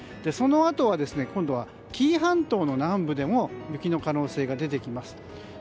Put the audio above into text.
そのあとは今度は紀伊半島の南部でも雪の可能性が出てきます。